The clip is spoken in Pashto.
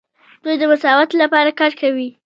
دوی د مساوات لپاره کار کوي.